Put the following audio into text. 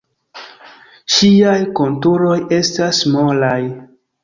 Ŝiaj konturoj estas molaj.